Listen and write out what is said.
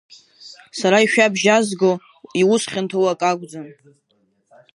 Сара ишәабжьазго иусхьанҭоу акы акәӡам…